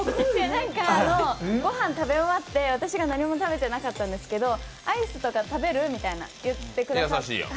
ご飯食べ終わって、私が何も食べてなかったんですけどアイスとか食べる？って言ってくださって。